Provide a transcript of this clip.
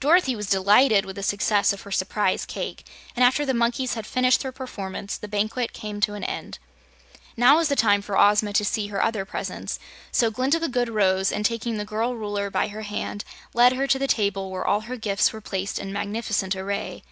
Dorothy was delighted with the success of her "Surprise Cake," and after the monkeys had finished their performance, the banquet came to an end. Now was the time for Ozma to see her other presents, so Glinda the Good rose and, taking the girl Ruler by her hand, led her to the table where all her gifts were placed in magnificent array.